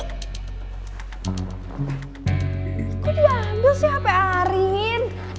kok diambil si hp arin